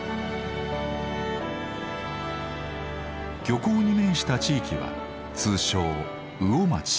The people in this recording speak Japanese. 漁港に面した地域は通称魚まち。